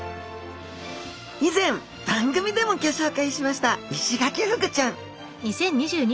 以前番組でもギョ紹介しましたイシガキフグちゃん